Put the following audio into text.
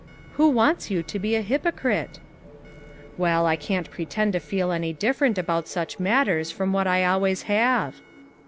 "Who wants you to be a hypocrite?" "Well, I can't pretend to feel any different about such matters from what I always have."